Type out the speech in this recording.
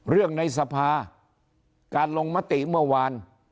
ในสภาการลงมติเมื่อวาน